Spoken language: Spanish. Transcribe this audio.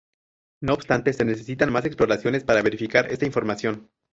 No obstante, se necesitan más exploraciones para verificar esta información.